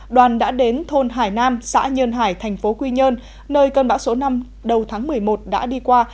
đoàn đã đến thôn hải nam xã nhơn hải thành phố quy nhơn nơi cơn bão số năm đầu tháng một mươi một đã đi qua